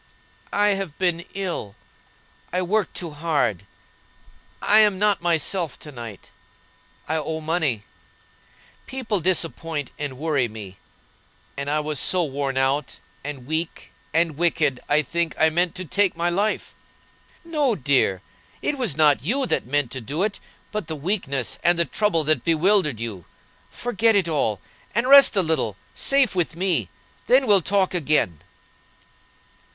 "I have been ill; I worked too hard; I'm not myself to night. I owe money. People disappoint and worry me; and I was so worn out, and weak, and wicked, I think I meant to take my life." "No, dear; it was not you that meant to do it, but the weakness and the trouble that bewildered you. Forget it all, and rest a little, safe with me; then we'll talk again."